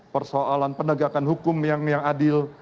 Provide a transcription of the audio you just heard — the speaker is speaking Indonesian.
persoalan penegakan hukum yang adil